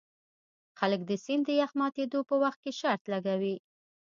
خلک د سیند د یخ ماتیدو په وخت شرط لګوي